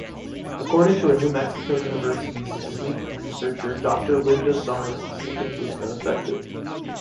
According to a New Mexico University’s sleep researcher Dr. Linda Summers sleeping booths are effective.